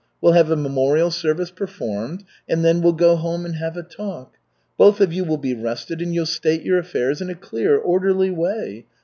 We'll have a memorial service performed, and then we'll go home and have a talk. Both of you will be rested and you'll state your affairs in a clear, orderly way.